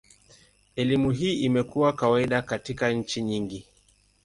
Elimu hii imekuwa kawaida katika nchi nyingi.